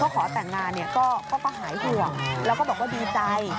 เขาขอแต่งงานก็หายห่วงแล้วก็บอกว่าดีใจ